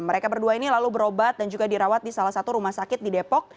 mereka berdua ini lalu berobat dan juga dirawat di salah satu rumah sakit di depok